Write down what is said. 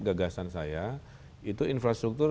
gagasan saya itu infrastruktur